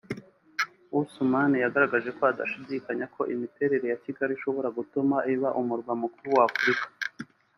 Ousmane yagaragaje ko adashidikanyaho ko imiterere ya Kigali ishobora gutuma iba umurwa mukuru wa Afurika